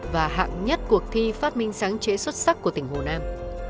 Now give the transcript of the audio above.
và hạng nhất cuộc thi phát minh sáng chế xuất sắc của tỉnh hồ nam